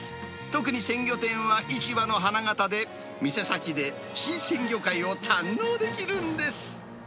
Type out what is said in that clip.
特に鮮魚店は市場の花形で、店先で新鮮魚介を堪能できるんです。